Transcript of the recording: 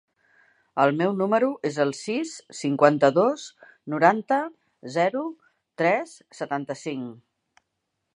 El meu número es el sis, cinquanta-dos, noranta, zero, tres, setanta-cinc.